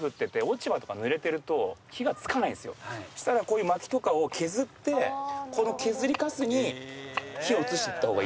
そしたらこういう薪とかを削ってこの削りカスに火を移していった方がいいですね。